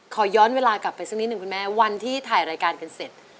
ขอย้อนเวลากลับไปสักนิดหนึ่งคุณแม่วันที่ถ่ายรายการกันเสร็จ